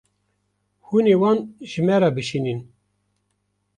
Hûn ê wan ji me re bişînin.